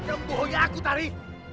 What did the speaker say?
kamu bohongnya aku tadi